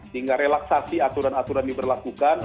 sehingga relaksasi aturan aturan diberlakukan